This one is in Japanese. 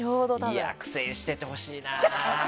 苦戦しててほしいな。